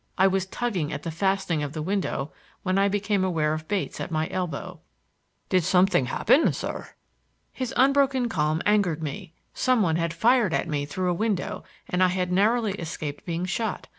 I was tugging at the fastening of the window when I became aware of Bates at my elbow. "Did something happen, sir?" His unbroken calm angered me. Some one had fired at me through a window and I had narrowly escaped being shot.